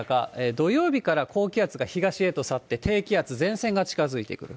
土曜日から高気圧が東へと去って、低気圧、前線が近づいてくる。